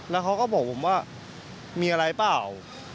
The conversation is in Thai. แล้วเขาก็บอกผมว่ามีอะไรเปล่า